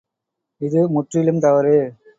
இது முற்றிலும் தவறு.